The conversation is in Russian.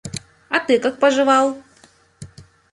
А ты как поживал?